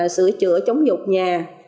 sửa chữa chống dục nhà